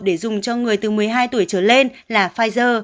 để dùng cho người từ một mươi hai tuổi trở lên là pfizer